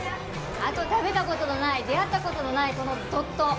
あと、食べたことのない、出会ったことのないこのドット！